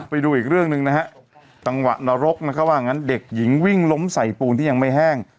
ไปดูอีกเรื่องหนึ่งนะฮะจังหวะนรกนะครับว่างั้นเด็กหญิงวิ่งล้มใส่ปูนที่ยังไม่แห้ง